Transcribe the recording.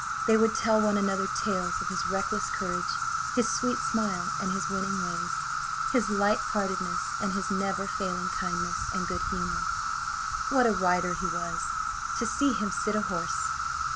They would tell one another tales of his reckless courage; his sweet smile and his winning ways; his light heartedness and his never failing kindness and good humour. What a rider he was! To see him sit his horse!